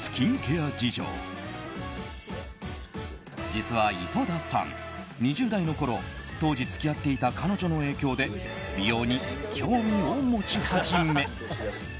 実は、井戸田さん２０代のころ当時付き合っていた彼女の影響で美容に興味を持ち始め